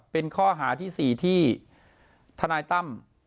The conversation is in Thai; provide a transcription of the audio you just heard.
เป็นข้อหาที่๔ที่ทนายตั้ม